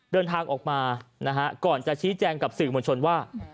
เดินทางออกมานะฮะก่อนจะชี้แจงกับสื่อมวลชนว่า